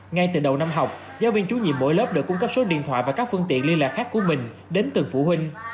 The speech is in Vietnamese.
ngay từ đầu năm học giáo viên chủ nhiệm mỗi lớp đều cung cấp số điện thoại và các phương tiện liên lạc khác của mình đến từng phụ huynh